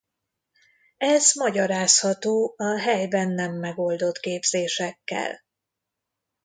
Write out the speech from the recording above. Ez magyarázható a helyben nem megoldott képzésekkel.